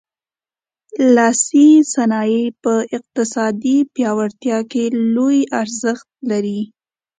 لاسي صنایع په اقتصادي پیاوړتیا کې لوی ارزښت لري.